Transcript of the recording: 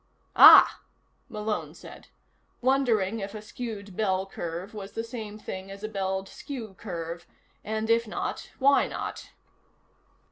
"Ah," Malone said, wondering if a skewed ball curve was the same thing as a belled skew curve, and if not, why not?